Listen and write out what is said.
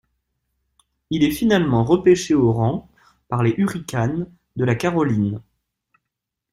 Il est finalement repêché au rang par les Hurricanes de la Caroline.